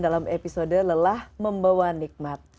dalam episode lelah membawa nikmat